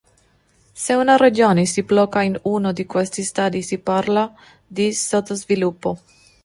Se una regione si blocca in uno di questi stadi si parla di sottosviluppo.